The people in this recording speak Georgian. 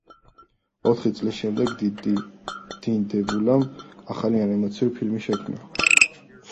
ოთხი წლის შემდეგ დინ დებლუამ ახალი ანიმაციური ფილმი შექმნა.